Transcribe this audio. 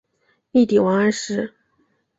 力抵王安石。